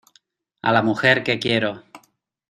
a la mujer que quiero.